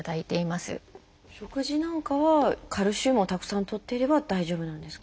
食事なんかはカルシウムをたくさんとっていれば大丈夫なんですか？